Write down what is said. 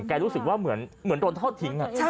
กัดรู้สึกว่าเหมือนโดนเถ้าทิ้ง